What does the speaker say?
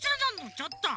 ちょっと！